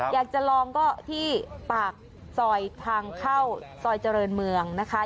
อยากจะลองก็ที่ปากซอยทางเข้าซอยเจริญเมืองนะคะ